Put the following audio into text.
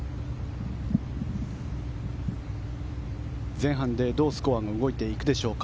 前半でどうスコアが動いていくでしょうか。